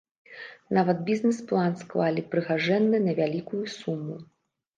Нават бізнэс-план склалі прыгажэнны на вялікую суму.